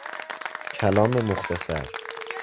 کلام مختصر